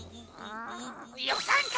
よさんか！